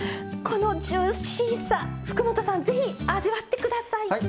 このジューシーさ福本さん是非味わってください。